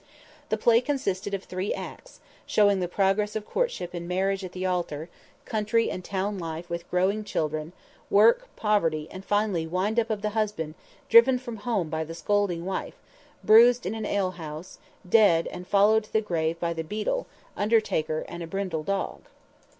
The play consisted of three acts, showing the progress of courtship and marriage at the altar, country and town life with growing children, work, poverty, and final windup of the husband driven from home by the scolding wife, bruised in an alehouse, dead and followed to the graveyard by the Beadle, undertaker and a brindle dog.